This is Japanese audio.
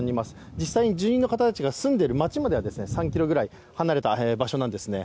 実際に住人の方が住んでいる街までは３ｋｍくらい離れた場所なんですね。